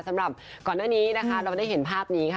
สำหรับก่อนหน้านี้นะคะเราได้เห็นภาพนี้ค่ะ